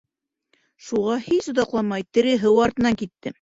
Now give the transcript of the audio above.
Шуға, һис оҙаҡламай, тере һыу артынан киттем.